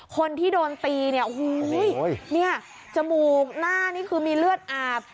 คนที่โดนตีเนี่ยโอ้โหเนี่ยจมูกหน้านี่คือมีเลือดอาบ